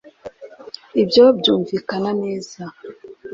ibyo byumvikana neza.